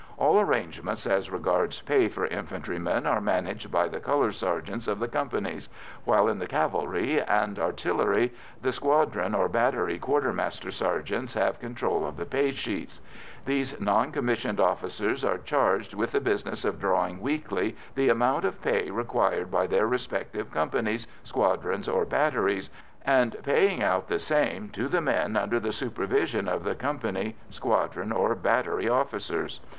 All arrangements as regards pay for infantrymen are managed by the colour sergeants of the companies, while in the cavalry and artillery the squadron or battery quartermaster sergeants have control of the pay sheets. These non commissioned officers are charged with the business of drawing weekly the amount of pay required by their respective companies, squadrons, or batteries, and paying out the same to the men under the supervision of the company, squadron, or battery officers.